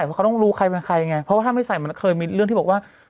เพราะเขาต้องรู้ใครเป็นใครไงเพราะว่าถ้าไม่ใส่มันเคยมีเรื่องที่บอกว่า